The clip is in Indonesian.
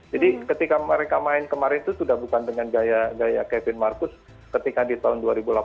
jadi ketika mereka main kemarin itu sudah bukan dengan gaya kevin marcus ketika di tahun dua ribu delapan belas dua ribu sembilan belas